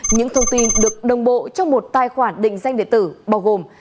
những thông tin được đồng bộ trong một tài khoản định danh điện tử bao gồm